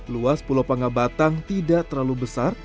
luas pulau pangabatang tidak terlalu besar